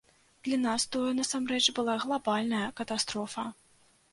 Для нас тое насамрэч была глабальная катастрофа.